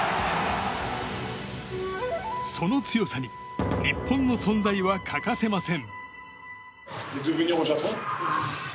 その強さに日本の存在は欠かせません。